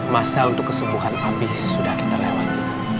masalah untuk kesembuhan abi sudah kita lewati